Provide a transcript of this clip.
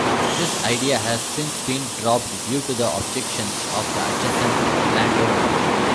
This idea has since been dropped due to the objections of the adjacent landowners.